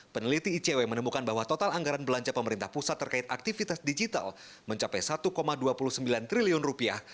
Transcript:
peneliti icw menemukan bahwa total anggaran belanja pemerintah pusat terkait aktivitas digital mencapai satu dua puluh sembilan triliun rupiah